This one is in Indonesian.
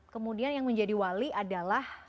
kemudian yang menjadi wali adalah